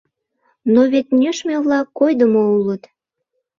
Но вет нӧшмӧ-влак койдымо улыт.